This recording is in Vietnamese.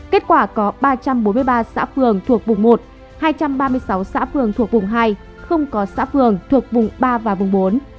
kết quả có ba trăm bốn mươi ba xã phường thuộc vùng một hai trăm ba mươi sáu xã phường thuộc vùng hai không có xã phường thuộc vùng ba và vùng bốn